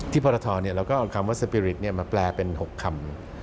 พรทเราก็เอาคำว่าสปีริตมาแปลเป็น๖คำ